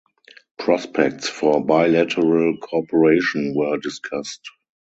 Prospects for bilateral cooperation were discussed.